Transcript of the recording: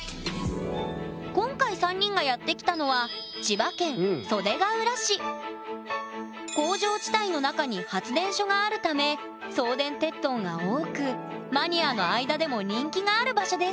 今回３人がやって来たのは工場地帯の中に発電所があるため送電鉄塔が多くマニアの間でも人気がある場所です。